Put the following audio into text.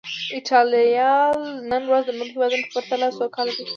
ایټالیا نن ورځ د نورو هېوادونو په پرتله سوکاله ده.